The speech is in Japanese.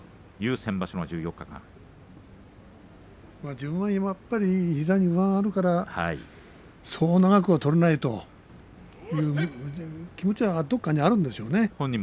自分は膝に不安があるからそう長くは相撲は取れないとそういう気持ちがどこかにあるんでしょうね。